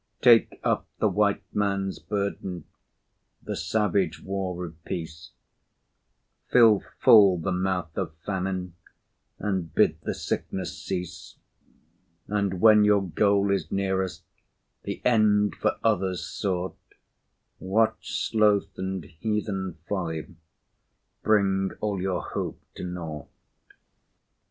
Take up the White Man's burden The savage wars of peace Fill full the mouth of Famine And bid the sickness cease; And when your goal is nearest The end for others sought, Watch Sloth and heathen Folly Bring all your hope to naught.